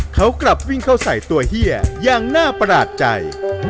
เขากลับวิ่งเข้าใส่ตัวเฮียอย่างน่าประหลาดใจ